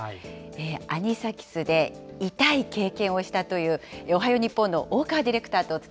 アニサキスで痛い経験をしたという、おはよう日本の大川ディレク